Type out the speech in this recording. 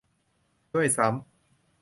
ด้วยซ้ำ